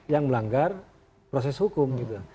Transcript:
yang melanggar proses hukum gitu